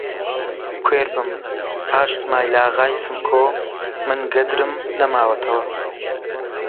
کوێر بم، پاش سمایلاغای سمکۆ من گەدرم نەماوەتەوە!